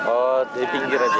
oh di pinggir aja